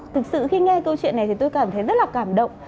thực sự khi nghe câu chuyện này thì tôi cảm thấy rất là cảm động